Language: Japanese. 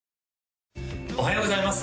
おはようございます